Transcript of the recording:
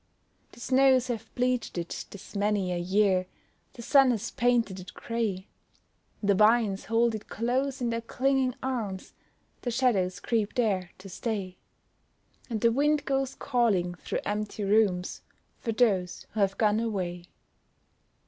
The snows have bleached it this many a year; The sun has painted it grey; The vines hold it close in their clinging arms; The shadows creep there to stay; And the wind goes calling through empty rooms For those who have gone away.